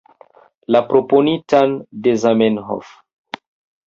La proponitan de Zamenhof.